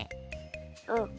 うん。